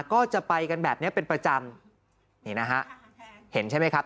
ก็จะไปกันแบบเนี้ยเป็นประจำนี่นะฮะเห็นใช่ไหมครับ